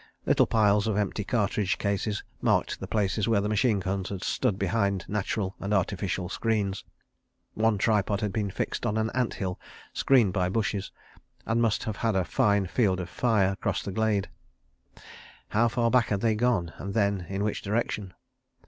Little piles of empty cartridge cases marked the places where the machine guns had stood behind natural and artificial screens. One tripod had been fixed on an ant hill screened by bushes, and must have had a fine field of fire across the glade. How far back had they gone—and then, in which direction?